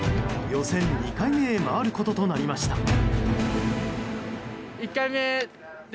予選２回目へ回ることとなりました。